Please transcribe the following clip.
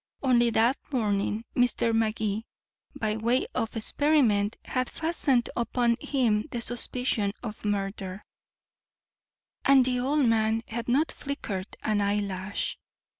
Only that morning Mr. Magee, by way of experiment, had fastened upon him the suspicion of murder, and the old man had not flickered an eyelash.